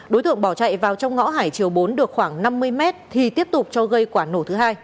đối tượng bỏ chạy vào trong ngõ hải triều bốn được khoảng năm mươi mét thì tiếp tục cho gây quả nổ thứ hai